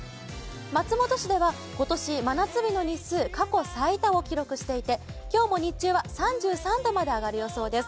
松本市では今年、真夏日の日数過去最多を記録していて今日も日中は３３度まで上がる予想です。